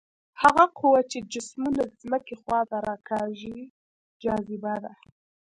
هغه قوه چې جسمونه ځمکې خواته راکاږي جاذبه ده.